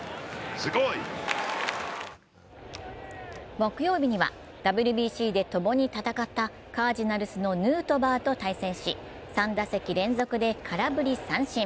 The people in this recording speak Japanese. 木曜日にはＷＢＣでともに戦ったカージナルスのヌートバーと対戦し、３打席連続で空振り三振。